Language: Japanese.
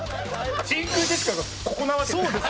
真空ジェシカがここなわけですから。